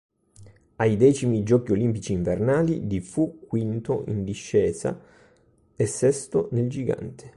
Ai X Giochi olimpici invernali di fu quinto in discesa e sesto nel gigante.